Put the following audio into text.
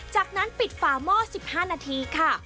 จากนั้นปิดฝาหม้อ๑๕นาทีค่ะ